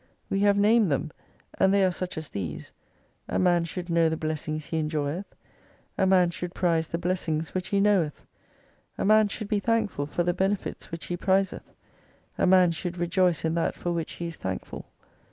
We have named them, and tney are such as these : A man should know the blessings he enjoyeth : A man should prize the blessings which he knoweth : A man should be thankful for the benefits which he prizeth : A man should rejoice in that for which he is thankful.